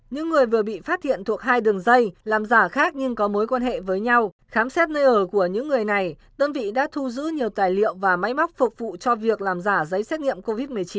những người vừa bị phát hiện thuộc hai đường dây làm giả khác nhưng có mối quan hệ với nhau khám xét nơi ở của những người này đơn vị đã thu giữ nhiều tài liệu và máy móc phục vụ cho việc làm giả giấy xét nghiệm covid một mươi chín